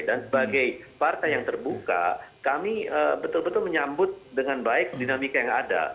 dan sebagai partai yang terbuka kami betul betul menyambut dengan baik dinamika yang ada